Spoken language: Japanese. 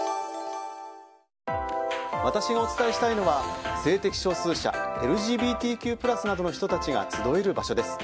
私がお伝えしたいのは性的少数者・ＬＧＢＴＱ＋などの人たちが集える場所です。